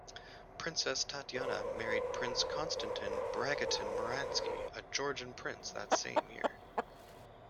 Princess Tatiana married Prince Konstantin Bagration-Muhransky, a Georgian prince, that same year.